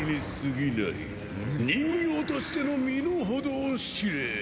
人形としての身の程を知れ。